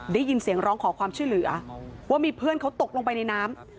ได้ยินเสียงร้องขอความช่วยเหลือว่ามีเพื่อนเขาตกลงไปในน้ำ